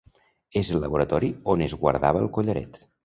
És el laboratori on es guardava el collaret.